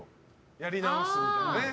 やり直すみたいなね。